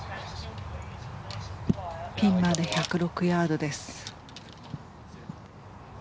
ピンまで１０６ヤードです。